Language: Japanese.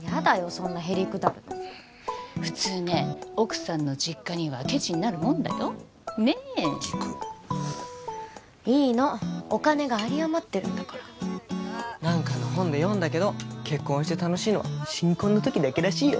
そんなへりくだるの普通ね奥さんの実家にはケチになるもんだよねえギクッいいのお金が有り余ってるんだから何かの本で読んだけど結婚して楽しいのは新婚の時だけらしいよ